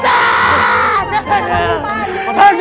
sama lu pade